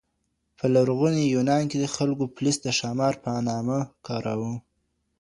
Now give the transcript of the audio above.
په لرغوني يونان کې خلکو پوليس د ښار په مانا کاراوه.